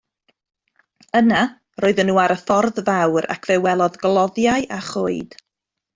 Yna roedden nhw ar y ffordd fawr ac fel welodd gloddiau a choed.